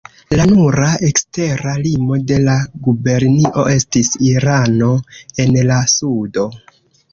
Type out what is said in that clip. La nura ekstera limo de la gubernio estis Irano, en la sudo.